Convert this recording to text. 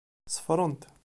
Ṣeffrent.